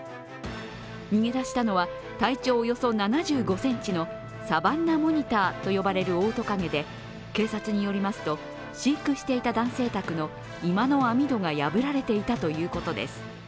逃げ出したのは、体長およそ７５ｃｍのサバンナモニターと呼ばれるオオトカゲで警察によりますと飼育していた男性宅の居間の網戸が破られていたということです。